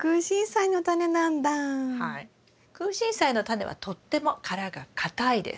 クウシンサイのタネはとっても殻が硬いです。